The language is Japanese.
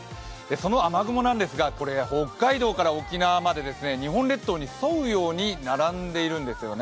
その雨雲なんですが、北海道から沖縄まで日本列島に沿うように並んでいるんですよね。